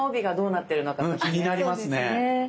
うん気になりますね。